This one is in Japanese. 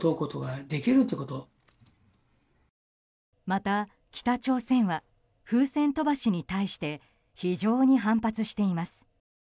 また北朝鮮は風船飛ばしに対して非常に反発しています。